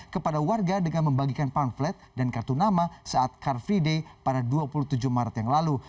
kepada warga dengan membagikan pamflet dan kartu nama saat car free day pada dua puluh tujuh maret yang lalu